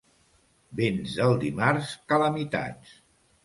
Vents del dimarts, calamitats.